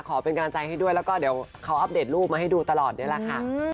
ขอเป็นกำลังใจให้ด้วยแล้วก็เดี๋ยวเขาอัปเดตรูปมาให้ดูตลอดนี่แหละค่ะ